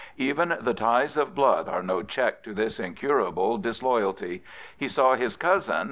Even the ties of blood are no check to this incurable disloyalty. He saw his cousin.